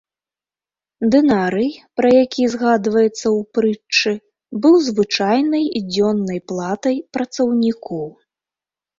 Дынарый, пра які згадваецца ў прытчы, быў звычайнай дзённай платай працаўніку.